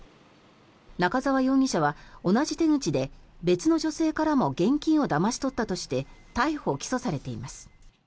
仲沢容疑者は同じ手口で別の女性からも現金をだまし取ったとして逮捕・起訴されています。